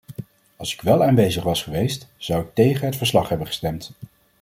Als ik wel aanwezig was geweest zou ik tegen het verslag hebben gestemd.